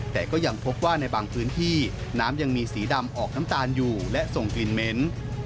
แต่ก็ยังพบว่าในบางพื้นที่น้ำยังมีสีดำออกน้ำตาลอยู่และส่งกลิ่นเหม็น